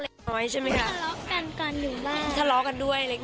เล็กน้อยใช่ไหมคะทะเลาะกันกันอยู่บ้างทะเลาะกันด้วยเล็กน้อย